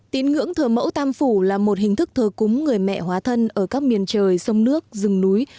tín ngưỡng thờ mẫu tam phủ là một hình thức thờ cúng người mẹ hóa thân ở các miền trời sông nước rừng núi